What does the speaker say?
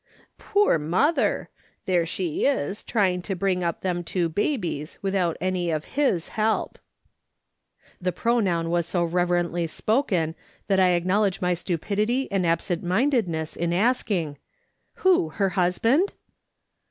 " Poor mother ! there she is, trying to bring up them two babies without any of His help." " The pronoun was so reverently spoken that I acknowledge my stupidity and absent mindedness in asking : "Who? her husband?"